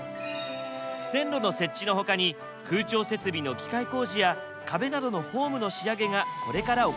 線路の設置の他に空調設備の機械工事や壁などのホームの仕上げがこれから行われます。